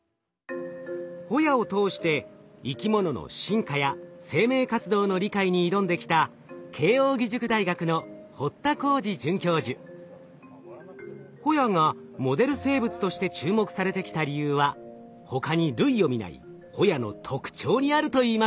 ホヤを通して生き物の進化や生命活動の理解に挑んできたホヤがモデル生物として注目されてきた理由は他に類を見ないホヤの特徴にあるといいます。